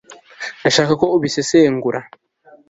Ndashaka ko ubisesengura